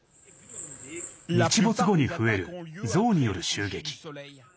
日没後に増えるゾウによる襲撃。